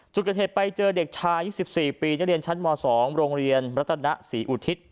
จุดเกิดเหตุไปเจอเด็กชาย๒๔ปีนักเรียนชั้นม๒โรงเรียนรัตนศรีอุทิศ